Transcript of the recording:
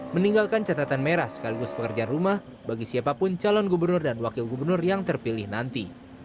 meninggalkan catatan merah sekaligus pekerjaan rumah bagi siapapun calon gubernur dan wakil gubernur yang terpilih nanti